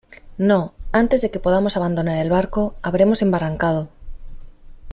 no, antes de que podamos abandonar el barco , habremos embarrancado ;